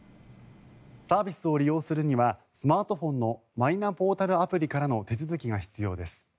サービスを利用するにはスマートフォンのマイナポータルアプリからの手続きが必要です。